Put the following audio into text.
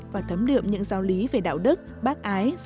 và thấm đượm những giao lý về đạo đức bác ái